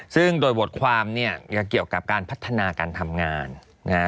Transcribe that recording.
ซึ่งโดยบทความเนี่ยก็เกี่ยวกับการพัฒนาการทำงานนะฮะ